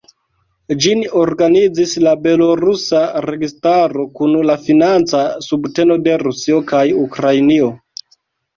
Ĝin organizis la belorusa registaro kun la financa subteno de Rusio kaj Ukrainio.